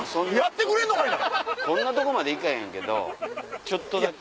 こんなとこまで行かへんけどちょっとだけ。